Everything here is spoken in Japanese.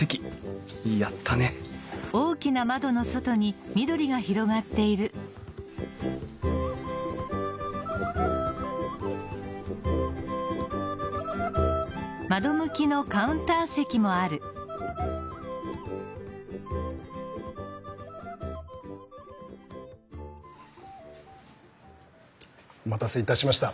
やったねお待たせいたしました。